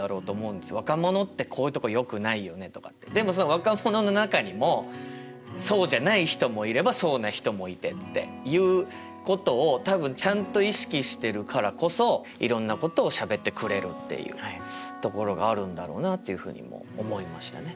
「若者ってこういうとこよくないよね」とかって。でもその若者の中にもそうじゃない人もいればそうな人もいてっていうことを多分ちゃんと意識してるからこそいろんなことをしゃべってくれるっていうところがあるんだろうなっていうふうにも思いましたね。